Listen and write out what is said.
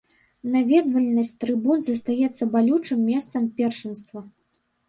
Наведвальнасць трыбун застаецца балючым месца першынства.